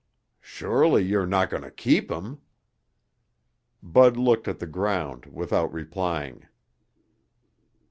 "Surely you're not going to keep him?" Bud looked at the ground without replying.